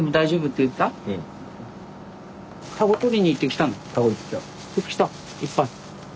いっぱい？